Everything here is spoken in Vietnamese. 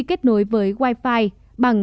kết nối với wi fi bằng